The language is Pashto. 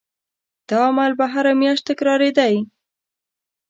دا عمل به هره میاشت تکرارېدی.